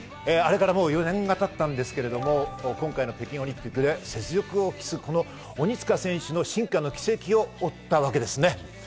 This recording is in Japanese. あれからもう４年が経ったんですが、今回の北京オリンピックで雪辱を期す鬼塚選手の進化の軌跡を追ったわけですね。